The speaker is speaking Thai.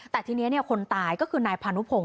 แต่ทีนี้คนตายก็คือนายพานุพงศ